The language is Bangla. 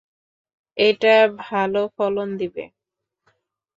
এটা ভালো ফলন দিবে।